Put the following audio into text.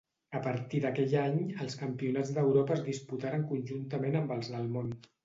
A partir d'aquell any els campionats d'Europa es disputaren conjuntament amb els del món.